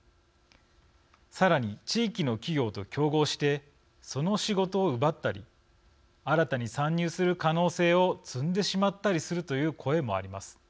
さらに地域の企業と競合してその仕事を奪ったり新たに参入する可能性を摘んでしまったりするという声もあります。